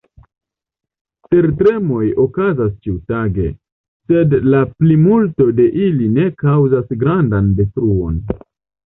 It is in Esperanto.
Tertremoj okazas ĉiutage, sed la plimulto de ili ne kaŭzas grandan detruon.